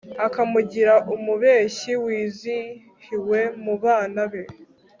akamugira umubyeyi wizihiwe mu bana be